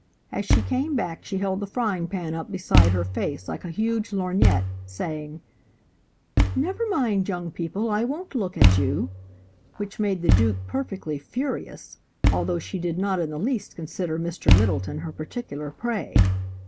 As she came back she held the frying pan up beside her face like a huge lorgnette, saying "Never mind, young people, I won't look at you," which made the Duke perfectly furious, although she did not in the least consider Mr. Middleton her particular prey.